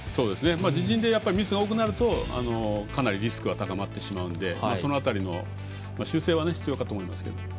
自陣でミスが多くなるとかなりリスクが高まってしまうんでその辺りの修正は必要かと思いますけど。